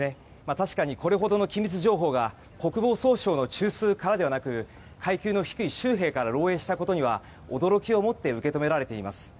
確かに、これほどの機密情報が国防総省の中枢からではなく階級の低い州兵から漏洩したことには驚きをもって受け止められています。